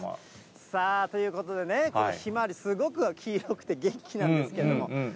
さあ、ということでね、このひまわり、すごく黄色くて元気なんですけども。